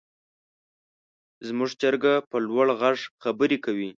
زموږ چرګه په لوړ غږ خبرې کوي.